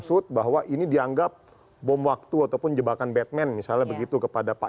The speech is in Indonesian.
maksud bahwa ini dianggap bom waktu ataupun jebakan batman misalnya begitu kepada pak